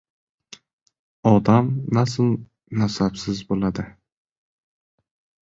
Odam nasl-nasabsiz bo‘ladi.